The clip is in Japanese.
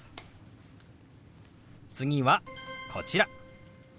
次はこちら。